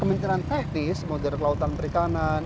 kementerian teknis model kelautan perikanan